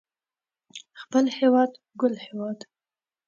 خپل هيواد ګل هيواد